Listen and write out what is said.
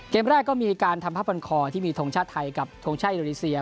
เกมแรกก็มีการทำภาพปันคอที่มีทงชาติไทยกับทงชาติอินโดนีเซีย